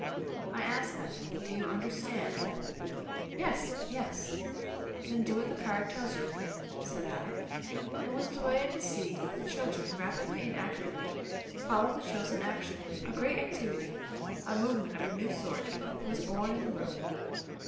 I asked then, "Do you understand?" "Yes! Yes!" "Then do what the card tells you," said I, and was delighted to see the children rapidly and accurately follow the chosen action. A great activity, a movement of a new sort, was born in the room.